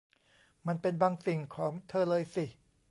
มันเป็นบางสิ่งของเธอเลยสิ